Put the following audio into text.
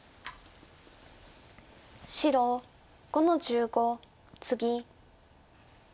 白５の十五ツギ。